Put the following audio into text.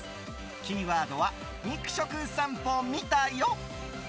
キーワードは肉食さんぽ見たよ。